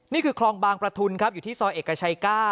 นี่คือคลองบางประทุนครับอยู่ที่ซอยเอกชัย๙